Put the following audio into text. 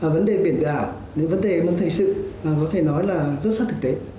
vấn đề biển đảo vấn đề về mức thời sự có thể nói là rất sắc thực tế